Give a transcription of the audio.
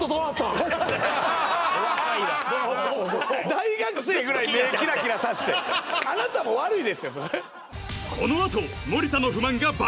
大学生ぐらい目キラキラさしてあなたも悪いですよ